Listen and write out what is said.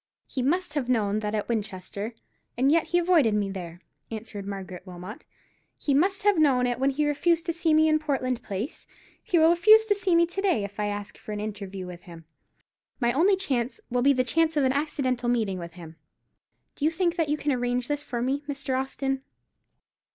"He must have known that at Winchester, and yet he avoided me there," answered Margaret Wilmot; "he must have known it when he refused to see me in Portland Place. He will refuse to see me to day, if I ask for an interview with him. My only chance will be the chance of an accidental meeting with him. Do you think that you can arrange this for me, Mr. Austin?"